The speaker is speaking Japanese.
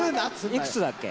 いくつだっけ？